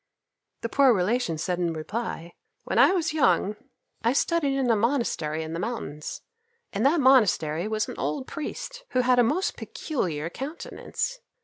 The poor relation said in reply, "When I was young I studied in a monastery in the mountains. In that monastery was an old priest who had a most peculiar countenance.